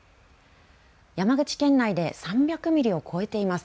山口県内で３００ミリを超えています。